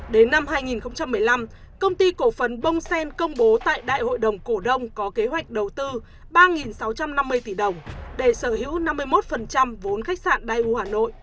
đến năm hai nghìn một mươi năm công ty cổ phấn bông sen công bố tại đại hội đồng cổ đông có kế hoạch đầu tư ba sáu trăm năm mươi tỷ đồng để sở hữu năm mươi một vốn khách sạn đài u hà nội